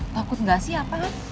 takut gasi apa an